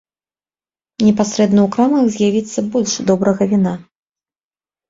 Непасрэдна ў крамах з'явіцца больш добрага віна.